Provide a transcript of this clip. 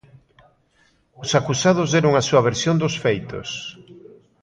Os acusados deron a súa versión dos feitos.